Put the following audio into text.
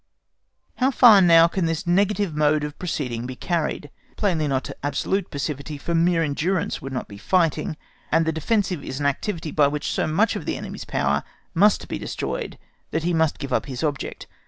How far now can this negative mode of proceeding be carried? Plainly not to absolute passivity, for mere endurance would not be fighting; and the defensive is an activity by which so much of the enemy's power must be destroyed that he must give up his object.